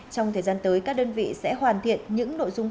trong thời gian tới các đơn vị sẽ hoàn thiện những nội dung